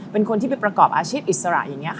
เป็นคนที่ไปประกอบอาชีพอิสระอย่างนี้ค่ะ